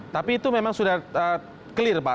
tapi itu memang sudah clear pak